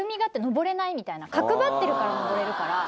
角張ってるから登れるから。